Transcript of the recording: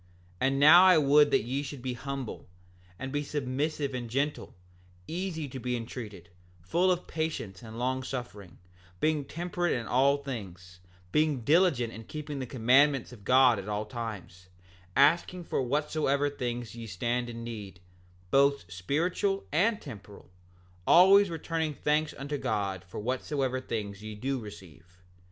7:23 And now I would that ye should be humble, and be submissive and gentle; easy to be entreated; full of patience and long suffering; being temperate in all things; being diligent in keeping the commandments of God at all times; asking for whatsoever things ye stand in need, both spiritual and temporal; always returning thanks unto God for whatsoever things ye do receive.